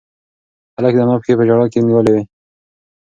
هلک د انا پښې په ژړا کې نیولې وې.